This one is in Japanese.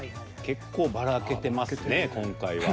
結構ばらけてますね今回は。